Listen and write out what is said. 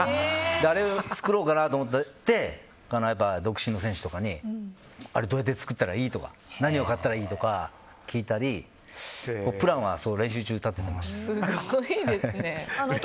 あれを作ろうかなと思って独身の選手とかにあれ、どうやって作ったらいい？とか何を買ったらいい？とか聞いたりプランは練習中に立ててました。